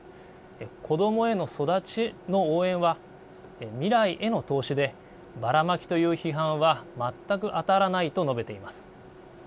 子どもへの育ちの応援は未来への投資でバラマキという批判は全くあたらないと述べています。